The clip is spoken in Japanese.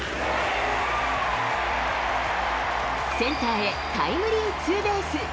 センターへタイムリーツーベース。